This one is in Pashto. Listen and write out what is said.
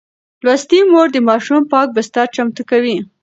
لوستې مور د ماشوم پاک بستر چمتو کوي.